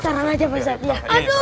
saran aja pak ustadz ya